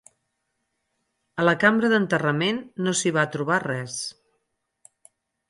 A la cambra d'enterrament, no s'hi va trobar res.